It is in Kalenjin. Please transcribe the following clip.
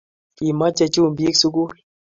Kimache chumbik sukul